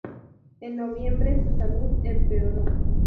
En noviembre su salud empeoró.